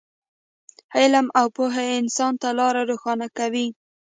علم او پوهه انسان ته لاره روښانه کوي.